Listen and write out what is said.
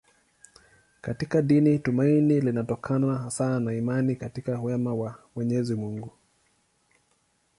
Katika dini tumaini linatokana hasa na imani katika wema wa Mwenyezi Mungu.